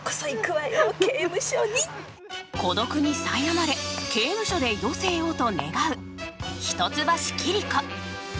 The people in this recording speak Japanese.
孤独にさいなまれ刑務所で余生をと願う、一橋桐子。